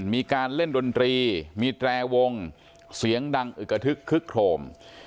มีการเล่นดนตรีมีแตรวงเสียงดังอึกกระทึกคึกโครม